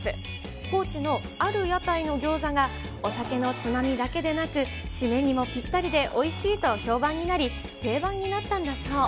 高知のある屋台のギョーザがお酒のつまみだけでなく、締めにもぴったりで、おいしいと評判になり、定番になったんだそう。